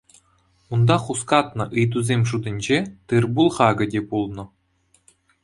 Унта хускатнӑ ыйтусем шутӗнче тыр-пул хакӗ те пулнӑ.